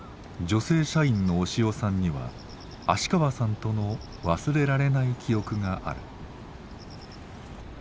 女性社員の押尾さんには芦川さんとの忘れられない記憶がある。